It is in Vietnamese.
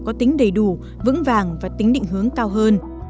có tính đầy đủ vững vàng và tính định hướng cao hơn